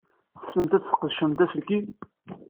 Tessnemt ad tesqedcemt aselkim?